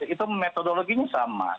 itu metodologinya sama